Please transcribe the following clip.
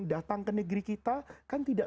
datang ke negeri kita kan tidak